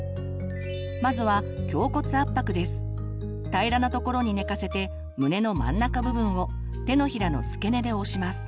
まずは平らなところに寝かせて胸の真ん中部分を手のひらの付け根で押します。